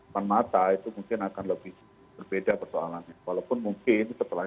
depan mata itu mungkin akan lebih berbeda persoalannya walaupun mungkin setelah